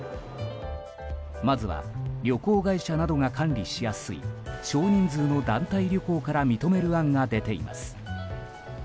まずは、旅行会社などが管理しやすい少人数の団体旅行から認める案が出ています。